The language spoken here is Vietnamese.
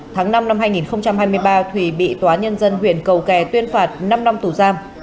tháng năm năm hai nghìn hai mươi ba thùy bị tòa nhân dân huyện cầu kè tuyên phạt năm năm tù giam